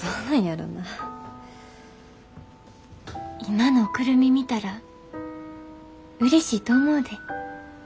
今の久留美見たらうれしいと思うで。